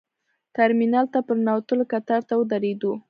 ترمینل ته په ننوتلو کتار ته ودرېدو.